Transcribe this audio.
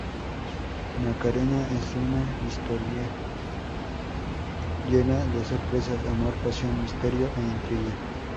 Macarena es una historia llena de sorpresas, amor, pasión, misterio e intriga.